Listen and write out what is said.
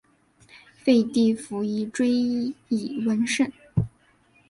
废帝溥仪追谥文慎。